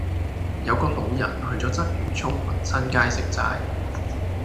有個老人去左鰂魚涌民新街食齋